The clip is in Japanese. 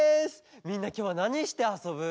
みんなきょうはなにしてあそぶ？